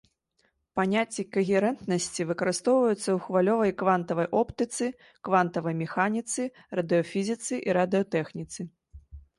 Паняцце кагерэнтнасці выкарыстоўваецца ў хвалевай і квантавай оптыцы, квантавай механіцы, радыёфізіцы і радыётэхніцы.